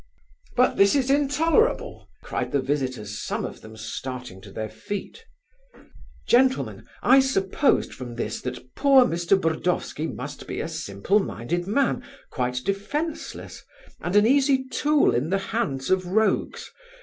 "But this is intolerable!" cried the visitors, some of them starting to their feet. "Gentlemen, I supposed from this that poor Mr. Burdovsky must be a simple minded man, quite defenceless, and an easy tool in the hands of rogues.